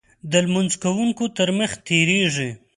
د لمونځ کوونکو تر مخې تېرېږي.